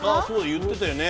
言ってたよね。